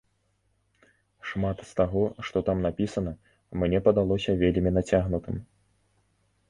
Шмат з таго, што там напісана, мне падалося вельмі нацягнутым.